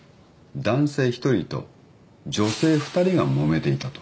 男性１人と女性２人がもめていたと。